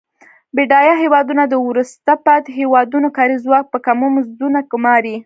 بډایه هیوادونه د وروسته پاتې هېوادونو کاري ځواک په کمو مزدونو ګوماري.